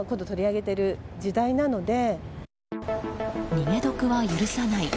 逃げ得は許さない。